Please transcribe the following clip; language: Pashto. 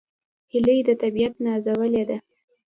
هیلۍ د طبیعت نازولې ده